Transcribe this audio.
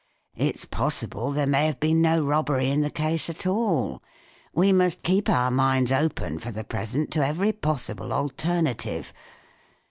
It's possible there may have been no robbery in the case at all. We must keep our minds open for the present to every possible alternative.